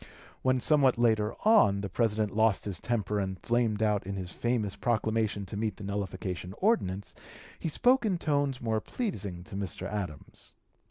When, somewhat later on, the President lost his temper and flamed out in his famous proclamation to meet the (p. 235) nullification ordinance, he spoke in tones more pleasing to Mr. Adams.